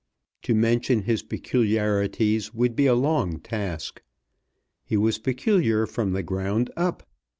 To mention his peculiarities would be a long task; he was peculiar from the ground up.